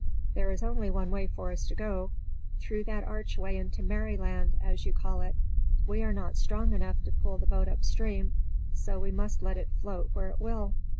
"There is only one way for us to go through that archway into Merryland, as you call it. We are not strong enough to pull the boat upstream, so we must let it float where it will."